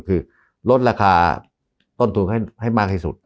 คือลดราคาต้นทุนให้มากที่สุด